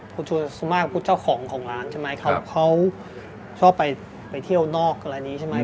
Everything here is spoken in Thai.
หรือที่มีผู้เจ้าของของร้านเขาชอบไปเที่ยวนอกใช่ไหม